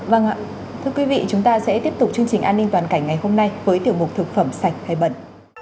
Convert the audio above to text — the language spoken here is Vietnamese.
vâng ạ thưa quý vị chúng ta sẽ tiếp tục chương trình an ninh toàn cảnh ngày hôm nay với tiểu mục thực phẩm sạch hay bẩn